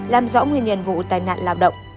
làm rõ nguyên nhân vụ tai nạn lao động